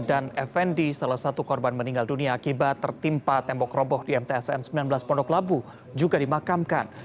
dan fnd salah satu korban meninggal dunia akibat tertimpa tembok roboh di mtsn sembilan belas pondok labu juga dimakamkan